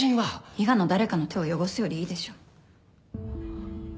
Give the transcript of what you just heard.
伊賀の誰かの手を汚すよりいいでしょ